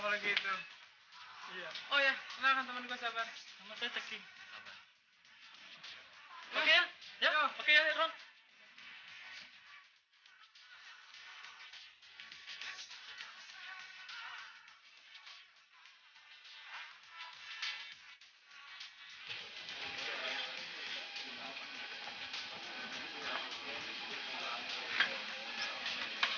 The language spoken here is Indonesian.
kayak gitu oh ya another temen gue sebagaiantic bro oke oke oke